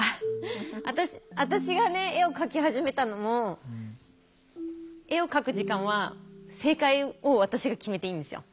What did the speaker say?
私がね絵を描き始めたのも絵を描く時間は正解を私が決めていいんですよ。